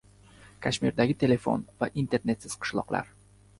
Kashmirdagi telefon va internetsiz qishloqlar